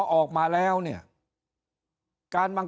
ถ้าท่านผู้ชมติดตามข่าวสาร